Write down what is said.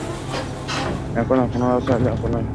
এখন আপনারা চাইলে আপনাদের হেলমেট পরে নিতে পারেন!